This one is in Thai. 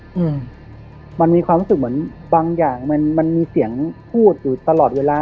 อืมมันมีความรู้สึกเหมือนบางอย่างมันมันมีเสียงพูดอยู่ตลอดเวลา